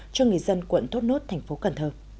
cho người dân quận thốt nốt tp cn